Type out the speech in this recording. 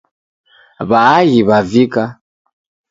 W'aaghi w'avika